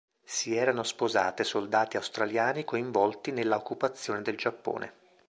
Si erano sposate soldati australiani coinvolti nella occupazione del Giappone.